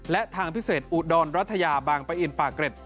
และทางพิเศษอุดรรัฐยาบางปะอินปากเกร็ด